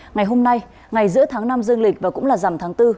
ngày hôm nay ngày giữa tháng năm dương lịch và cũng là giảm tháng bốn